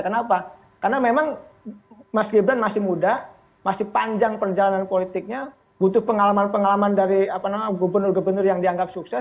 kenapa karena memang mas gibran masih muda masih panjang perjalanan politiknya butuh pengalaman pengalaman dari gubernur gubernur yang dianggap sukses